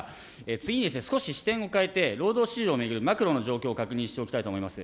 次に、少し視点を変えて、労働市場を巡るマクロの状況を確認しておきたいと思います。